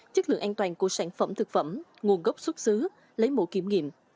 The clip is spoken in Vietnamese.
chất lượng an toàn của sản phẩm thực phẩm nguồn gốc xuất xứ lấy mẫu kiểm nghiệm